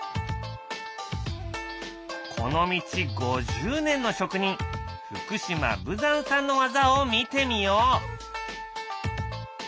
この道５０年の職人福島武山さんの技を見てみよう。